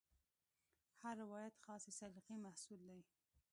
هر روایت خاصې سلیقې محصول دی.